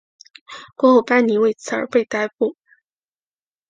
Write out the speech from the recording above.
过后班尼为此而被逮捕。